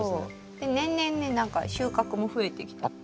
年々ね何か収穫も増えてきた。